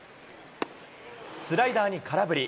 スライダーに空振り。